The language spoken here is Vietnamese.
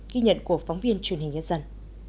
ghi nhận của phóng viên truyền hình nhất dân